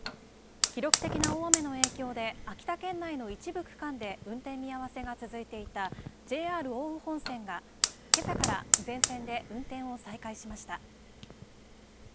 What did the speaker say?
記録的な大雨の影響で秋田県内の一部区間で運転見合わせが続いていたＪＲ奥羽本線がけさから全線で運転を再開しました。